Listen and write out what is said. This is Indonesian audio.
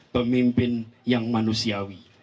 pemimpin yang manusiawi